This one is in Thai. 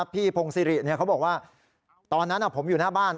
พงศิริเขาบอกว่าตอนนั้นผมอยู่หน้าบ้าน